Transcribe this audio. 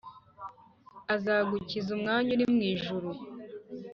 aragukiza umwanya uri mwijuru.